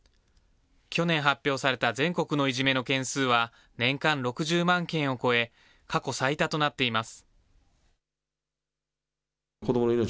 去年発表された全国のいじめの件数は、年間６０万件を超え、過去最多となっています。